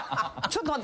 ちょっと。